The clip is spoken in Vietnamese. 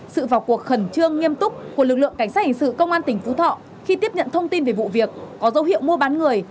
sự vào cuộc khẩn trương nghiêm túc của lực lượng cảnh sát hình sự công an tỉnh phú thọ khi tiếp nhận thông tin về vụ việc có dấu hiệu mua bán người